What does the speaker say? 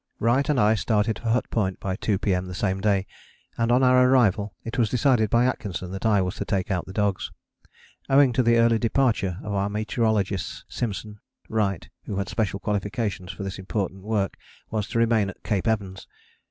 Wright and I started for Hut Point by 2 P.M. the same day and on our arrival it was decided by Atkinson that I was to take out the dogs. Owing to the early departure of our meteorologist, Simpson, Wright, who had special qualifications for this important work, was to remain at Cape Evans.